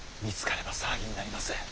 見つかれば騒ぎになります。